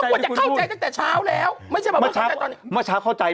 ก็มันต้องว่าเข้าใจจากแต่เช้าแล้วไม่ใช่มาช้าว่มาช้าว่ะเข้าใจ